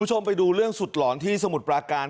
คุณผู้ชมไปดูเรื่องสุดหลอนที่สมุทรปราการ